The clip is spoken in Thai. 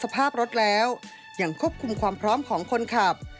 สภาพรถแล้วยังควบคุมความพร้อมของคนขับ